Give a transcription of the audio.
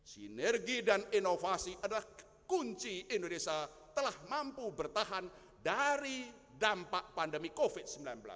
sinergi dan inovasi adalah kunci indonesia telah mampu bertahan dari dampak pandemi covid sembilan belas